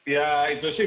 ya itu sih